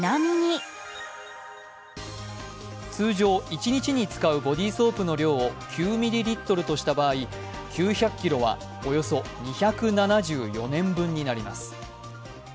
通常、一日に使うボディーソープの量を９ミリリットルとした場合、９００ｋｇはおよそ２７４年分になります。